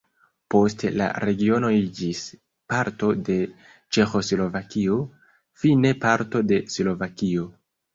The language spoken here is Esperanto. Poste la regiono iĝis parto de Ĉeĥoslovakio, fine parto de Slovakio.